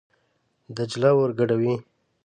دجله ور ګډوي.